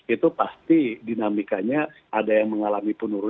itu pasti dinamikanya ada yang mengalami penurunan